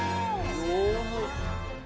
上手。